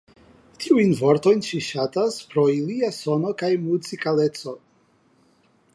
Tiujn vortojn ŝi ŝatas pro ilia sono kaj muzikaleco.